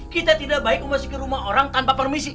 kita tidak baik masuk ke rumah orang tanpa permisi